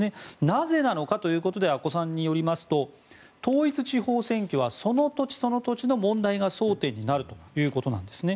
なぜなのかということで阿古さんによりますと統一地方選挙はその土地その土地の問題が争点になるということなんです。